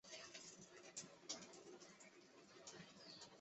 宝应元年豫宁县复为武宁县。